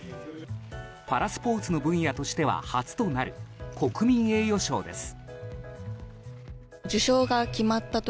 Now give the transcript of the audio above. パラスポーツの分野としては初となる国民栄誉賞です。